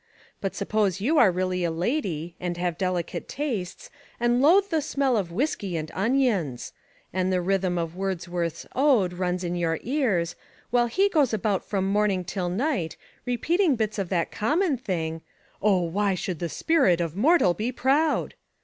But suppose you are really a lady, and have delicate tastes, And loathe the smell of whisky and onions. And the rhythm of Wordsworth's "Ode" runs in your ears, While he goes about from morning till night Repeating bits of that common thing; "Oh, why should the spirit of mortal be proud?"